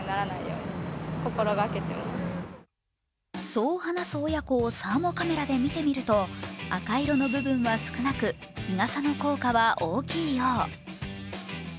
そう話す親子をサーモカメラで見てみると赤い色の部分は少なく日傘の効果は大きいよう。